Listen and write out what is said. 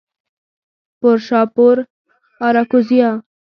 پورشاپور، آراکوزیا